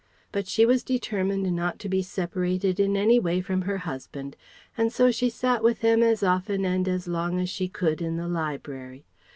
But she was determined not to be separated in any way from her husband, and so she sat with them as often and as long as she could in the library.